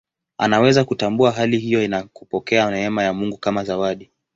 Anaweza kutambua hali hiyo na kupokea neema ya Mungu kama zawadi.